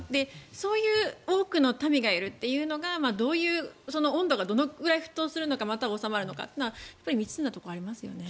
そういう多くの民がいるっていうのがどういう温度が、どのくらい沸騰するのかまたは収まるのかというのが未知数なところありますよね。